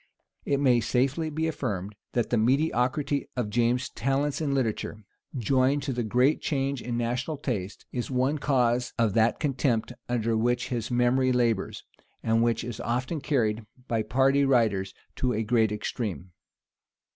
It may safely be affirmed, that the mediocrity of James's talents in literature, joined to the great change in national taste, is one cause of that contempt under which his memory labors, and which is often carried by party writers to a great extreme.